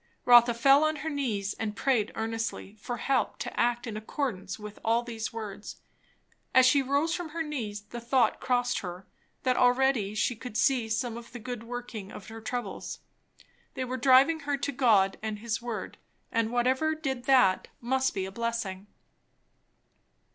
Rotha fell on her knees and prayed earnestly for help to act in accordance with all these words. As she rose from her knees, the thought crossed her, that already she could see some of the good working of her troubles; they were driving her to God and his word; and whatever did that must be a blessing.